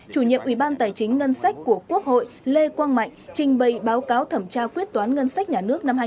chủ nhiệm ủy ban tài chính ngân sách của quốc hội lê quang mạnh trình bày báo cáo thẩm tra quyết toán ngân sách nhà nước năm hai nghìn một mươi bảy